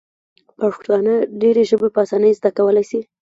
پښتانه ډیري ژبي په اسانۍ زده کولای سي.